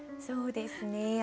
そうですね